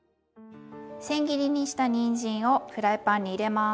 せん切りにしたにんじんをフライパンに入れます。